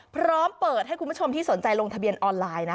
พร้อมเปิดให้คุณผู้ชมที่สนใจลงทะเบียนออนไลน์นะ